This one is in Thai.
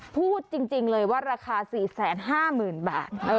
พูดจริงเลยว่าราคา๔๕๐๐๐บาท